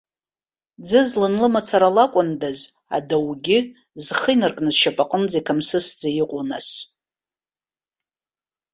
Ӡызлан лымацара лакәындаз, адаугьы, зхы инаркны зшьапанынӡа иқамсысӡа иҟоу, нас.